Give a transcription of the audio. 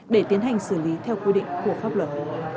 để tiến hành xử lý theo quy định của pháp luật